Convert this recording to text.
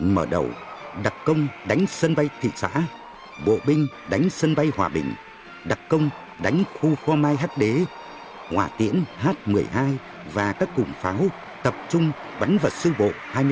mở đầu đặc công đánh sân bay thị xã bộ binh đánh sân bay hòa bình đặc công đánh khu pho mai hd hòa tiễn h một mươi hai và các cụm pháo tập trung bắn vào sư bộ hai mươi chín